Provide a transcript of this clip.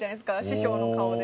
師匠の顔で。